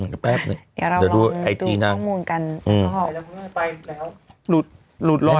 เดี๋ยวเราลองดูข้อมูลกัน